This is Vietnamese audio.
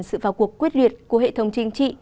sự vào cuộc quyết liệt của hệ thống chính trị